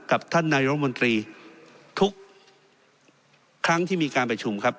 กับท่านนายรมนตรีทุกครั้งที่มีการประชุมครับ